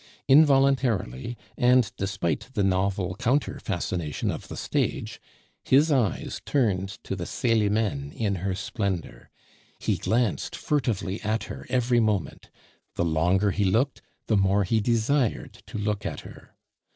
Involuntarily, and despite the novel counter fascination of the stage, his eyes turned to the Celimene in her splendor; he glanced furtively at her every moment; the longer he looked, the more he desired to look at her.